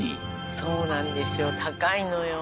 そうなんですよ高いのよ。